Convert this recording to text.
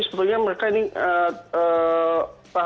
dan apabila ada yakni ketertarikan dari bencom